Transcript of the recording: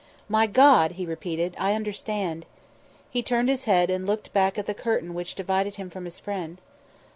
"My God!" he repeated. "I understand." He turned his head and looked back at the curtain which divided him from his friend.